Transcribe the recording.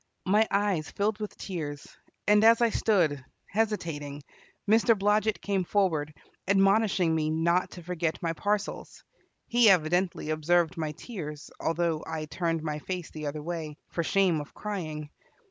My eyes filled with tears, and as I stood, hesitating, Mr. Blodget came forward, admonishing me not to forget my parcels. He evidently observed my tears, although I turned my face the other way, for shame of crying.